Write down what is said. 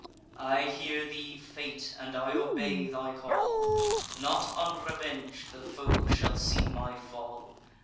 I hear thee, Fate; and I obey thy call! Not unreveng'd the foe shall see my fall.